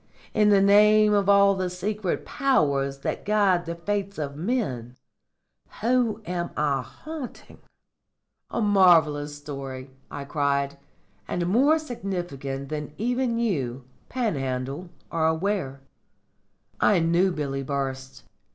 In the name of all the secret Powers that guide the fates of men whom am I haunting?'" "A marvellous story," I cried; "and more significant than even you, Panhandle, are aware. I knew Billy Burst.